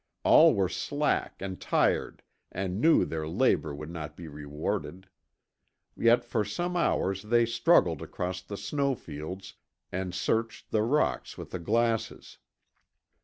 All were slack and tired and knew their labor would not be rewarded. Yet for some hours they struggled across the snow fields and searched the rocks with the glasses.